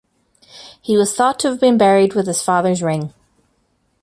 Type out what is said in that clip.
He was thought to have been buried with his father's ring.